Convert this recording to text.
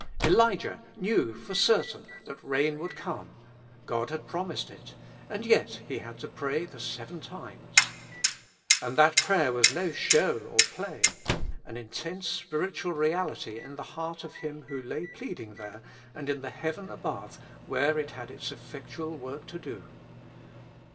Elijah knew for certain that rain would come ; God had promised it ; and yet he had to pray the seven times. And that prayer was no show or play ; an in tense spiritual reality in the heart of him who lay pleading there, and in the heaven above where it had its effectual work to do.